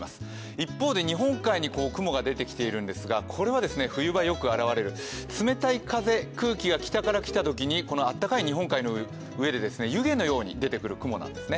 一方で日本海に雲が出てきているんですが、これは冬場、よく現れる冷たい風、空気が北から来たときに暖かい日本海の上で湯気のように出てくる雲なんですね